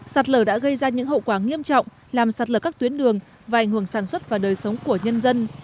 sạt lở đã gây ra những hậu quả nghiêm trọng làm sạt lở các tuyến đường và ảnh hưởng sản xuất và đời sống của nhân dân